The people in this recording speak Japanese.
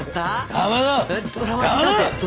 かまどシ！